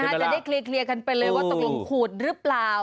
จะได้เคลียร์กันไปเลยว่าตกลงขูดหรือเปล่า